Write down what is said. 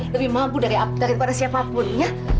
lebih mabu daripada siapapun ya